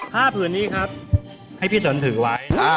ผืนนี้ครับให้พี่สนถือไว้